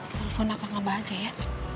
telepon kak ngaba aja ya